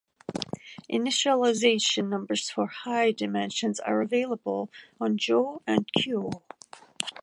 Initialisation numbers for high dimensions are available on Joe and Kuo.